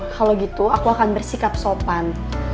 kalau gitu aku akan bersikap sopan